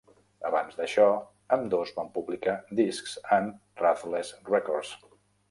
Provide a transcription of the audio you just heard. Abans d'això, ambdós van publicar discs en Ruthless Records.